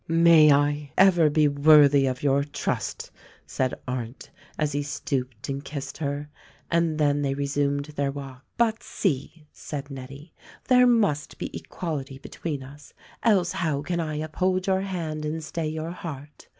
"May I ever be worthy of your trust!" said Arndt as he stooped and kissed her. And then they resumed their walk. "But see !" said Nettie. "There must be equality between us, else how can I uphold your hand and stay your heart.